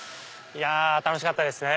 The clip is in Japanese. いや楽しかったですね。